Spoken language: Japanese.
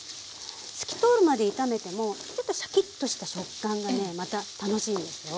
透き通るまで炒めてもちょっとシャキッとした食感がねまた楽しいんですよ。